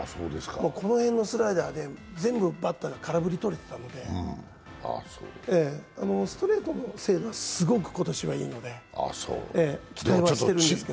この辺のスライダー、全部バッターは空振りとれてたんで、ストレートの精度はすごく今年はいいので期待はしています。